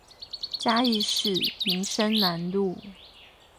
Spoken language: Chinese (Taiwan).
嘉義市民生南路